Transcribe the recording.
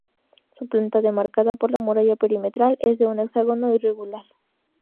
Su planta, demarcada por la muralla perimetral, es de un hexágono irregular.